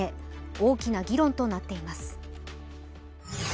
大きな議論となっています。